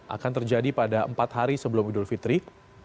akan terjadi pada empat hari sebelum idul fitri